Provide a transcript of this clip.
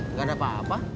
enggak ada apa apa